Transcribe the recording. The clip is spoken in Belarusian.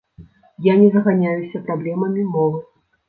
Я не заганяюся праблемамі мовы.